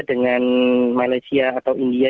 dengan malaysia atau india